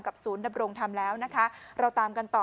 กับศูนย์ดำรงทำแล้วเราตามกันต่อ